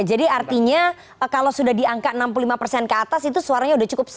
jadi artinya kalau sudah di angka enam puluh lima ke atas itu suaranya sudah cukup sulit